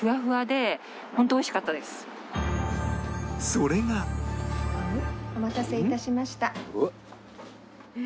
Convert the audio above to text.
それがお待たせ致しました。